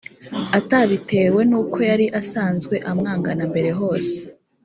atabitewe n’uko yari asanzwe amwanga na mbere hose.